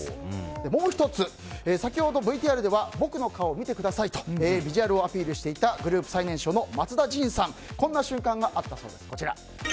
もう１つ、先ほどＶＴＲでは僕の顔を見てくださいとビジュアルをアピールしていたグループ最年少の松田迅さんはこんな瞬間があったそうです。